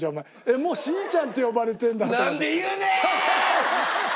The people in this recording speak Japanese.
もうしーちゃんって呼ばれてるんだ。